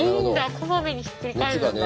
こまめにひっくり返すんだ。